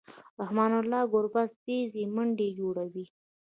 رحمن الله ګربز تېزې منډې جوړوي.